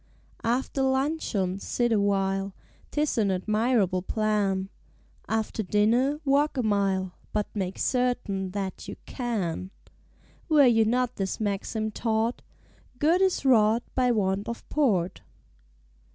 _" After luncheon sit awhile, 'Tis an admirable plan; After dinner walk a mile But make certain that you can. (Were you not this maxim taught; "Good is Wrought by want of Port.")